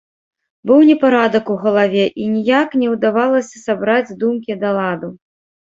Быў непарадак у галаве, і ніяк не ўдавалася сабраць думкі да ладу.